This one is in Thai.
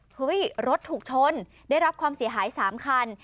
เฮ้ยรถถูกชนได้รับความเสียหาย๓คัน